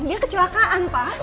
dia kecelakaan pak